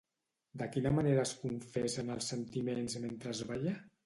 De quina manera es confessen els sentiments mentre es balla?